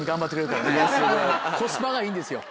コスパがいいんですよ。